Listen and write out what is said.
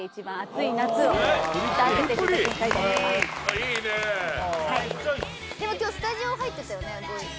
いいねはいでも今日スタジオ入ってたよね